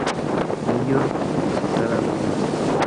New York, por citar algunas.